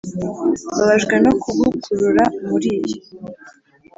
mbabajwe no kugukurura muriyi.